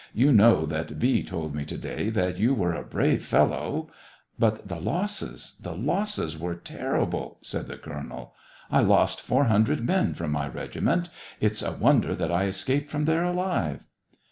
" You know that V. told me to day that you were a brave fellow. ..."But the losses, the losses were terrible," said the colonel. / lost four hundred men fro7n my regiment. It's a zvonder that I escaped from tJiere alive